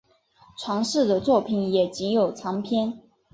传世的作品也仅有残篇。